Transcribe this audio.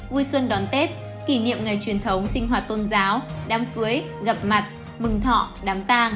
vui xuân đón tết kỷ niệm ngày truyền thống sinh hoạt tôn giáo đám cưới gặp mặt mừng thọ đám ta